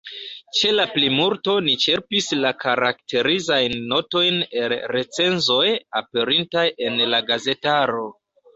Ĉe la plimulto ni ĉerpis la karakterizajn notojn el recenzoj, aperintaj en la gazetaro.